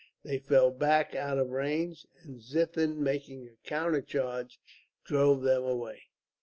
They fell back out of range, and Ziethen, making a counter charge, drove them away.